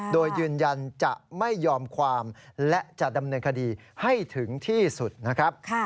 โดยยืนยันจะไม่ยอมความและจะดำเนินคดีให้ถึงที่สุดนะครับ